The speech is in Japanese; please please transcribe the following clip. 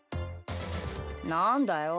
何だよ。